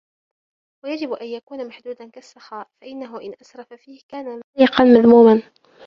وَيَجِبُ أَنْ يَكُونَ مَحْدُودًا كَالسَّخَاءِ فَإِنَّهُ إنْ أَسْرَفَ فِيهِ كَانَ مَلِقًا مَذْمُومًا